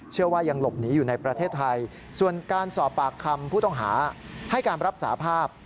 ยังหลบหนีอยู่ในประเทศไทยส่วนการสอบปากคำผู้ต้องหาให้การรับสาภาพ